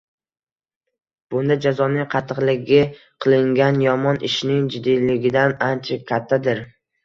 Bunda jazoning qattiqligi qilingan “yomon” ishning jiddiyligidan ancha kattadir.